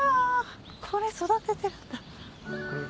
これ育ててるんだ。